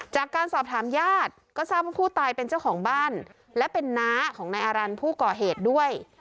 จากการสอบถามญาติก็ทราบว่าผู้ตายเป็นเจ้าของบ้านและเป็นน้าของนายอารันทร์ผู้ก่อเหตุด้วย